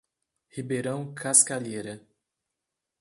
Ribeirão Cascalheira